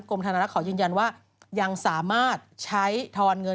ธนรักษ์ขอยืนยันว่ายังสามารถใช้ทอนเงิน